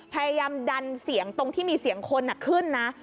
พยายามดันเสียงตรงที่มีเสียงคนขึ้นนะ